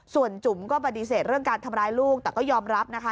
ส่วนจุ๋มก็ปฏิเสธเรื่องการทำร้ายลูกแต่ก็ยอมรับนะคะ